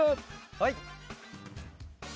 はい。